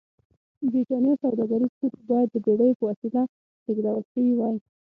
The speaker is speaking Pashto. برېټانیا سوداګریز توکي باید د بېړیو په وسیله لېږدول شوي وای.